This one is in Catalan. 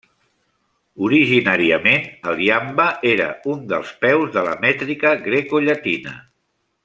Originàriament, el iambe era un dels peus de la mètrica grecollatina.